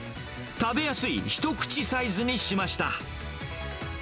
食べやすい一口サイズにしました。